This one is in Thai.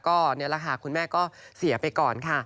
ก็นี่แหละค่ะคุณแม่ก็เสียไปก่อนค่ะ